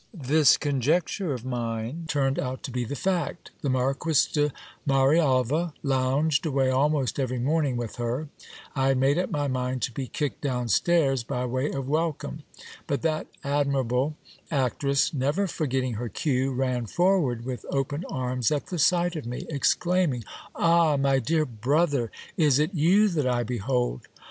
This conjecture of mine turned out to be the fact ; the Marquis de Marialva lounged away almost every morning with her : I had made up my mind to be kicked down stairs by way of welcome ; but that admirable actress, never forgetting her cue, ran forward with open arms at the sight of me, exclaiming : Ah ! my dear brother, is it you that I behold